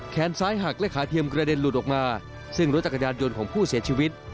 แขนซ้ายหักและขาเทียมกระเด็นหลุดออกมาซึ่งรถจักรยานยนต์ของผู้เสียชีวิต